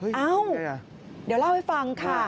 เฮ้ยนั่นไงอ้าวเดี๋ยวเล่าให้ฟังค่ะ